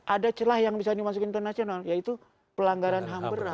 ada celah yang bisa dimasukin ke nasional yaitu pelanggaran ham berat